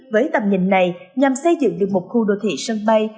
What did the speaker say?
với tầm nhìn này nhằm xây dựng được một khu đô thị sân bay